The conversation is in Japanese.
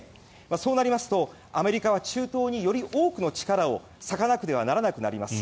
そうなりますとアメリカは中東により多くの力を割かなくてはならなくなります。